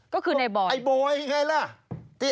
ก็คือน้ีไบล์ไบล์ไอ้ไบล์นี่ไงล่ะ